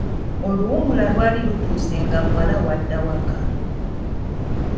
Oluwummula lwali lutuuse nga muwala we adda waka.